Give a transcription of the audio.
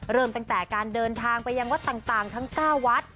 เริ่มตั้งแต่การเดินทางไปยังวัดต่างทั้ง๙วัด